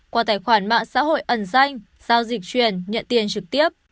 qua tài khoản mạng xã hội ẩn danh giao dịch chuyển nhận tiền trực tiếp